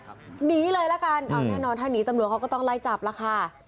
หนีเลยละกันเอาแน่นอนถ้าหนีตำรวจเขาก็ต้องไล่จับแล้วค่ะ